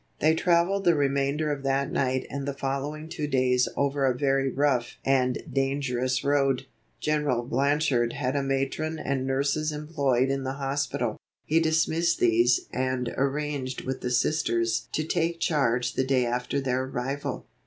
They traveled the remainder of that night and the following two days over a very rough and dangerous road. General Blanchard had a matron and nurses employed in the hospital. He dismissed these and arranged with the Sisters to take charge the day after their arrival.